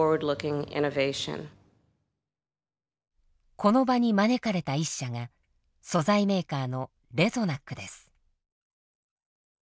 この場に招かれた一社が素材メーカーのレゾナックです。